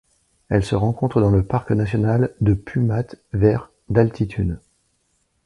Elle se rencontre dans le parc national de Pu Mat vers d'altitude.